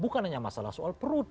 bukan hanya masalah soal perut